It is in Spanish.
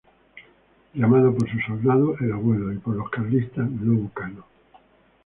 Llamado por sus soldados ""el Abuelo"" y por los carlistas ""Lobo Cano"".